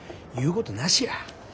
言うことなしや。